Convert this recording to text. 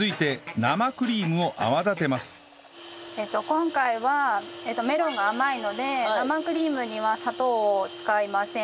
続いて今回はメロンが甘いので生クリームには砂糖を使いません。